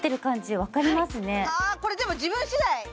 これでも自分次第？